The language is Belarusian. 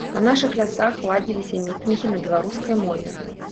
Па нашых лясах ладзіліся мітынгі на беларускай мове.